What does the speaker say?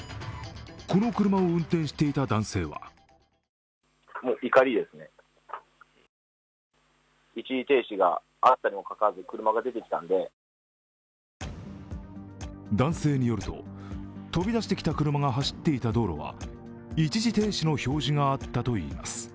この車を運転していた男性は男性によると、飛び出してきた車が走っていた道路は一時停止の表示があったといいます。